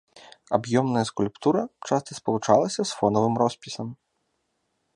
Аб'ёмная скульптура часта спалучалася з фонавым роспісам.